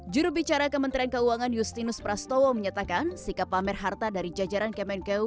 jurubicara kementerian keuangan justinus prastowo menyatakan sikap pamer harta dari jajaran kemenkeu